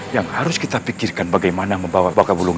yang harus kita pikirkan bagaimana membawa baka bulung